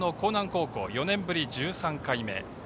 高校４年ぶり１３回目。